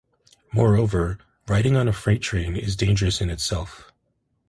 Moreover, riding on a freight train is dangerous in itself.